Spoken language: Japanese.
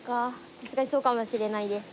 確かにそうかもしれないです。